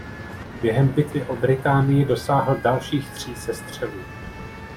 Během bitvy o Británii dosáhl dalších tří sestřelů.